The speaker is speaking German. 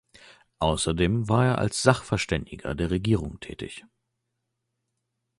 Außerdem war er als Sachverständiger der Regierung tätig.